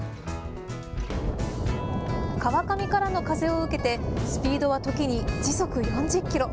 川上からの風を受けてスピードは時に時速４０キロ。